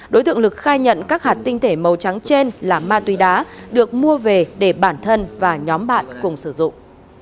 đối tượng lực khai nhận các hạt tinh thể màu trắng trên là ma túy đá được mua về để bản thân và nhóm bạn cùng sử dụng